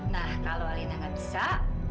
nah kalau alina nggak bisa